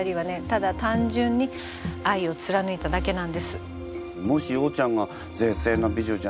ただ単純に愛を貫いただけなんです。